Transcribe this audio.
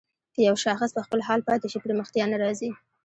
که يو شاخص په خپل حال پاتې شي پرمختيا نه راځي.